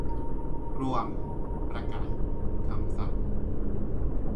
รวม ประกาศ คำสั่ง